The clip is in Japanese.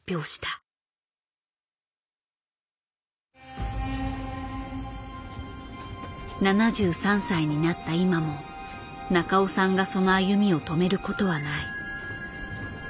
７３歳になった今も中尾さんがその歩みを止めることはない。